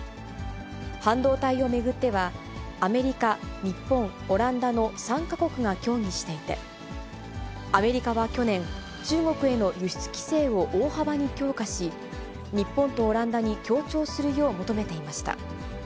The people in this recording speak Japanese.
半導体を巡っては、アメリカ、日本、オランダの３か国が協議していて、アメリカは去年、中国への輸出規制を大幅に強化し、日本とオランダに協調するよう求めていました。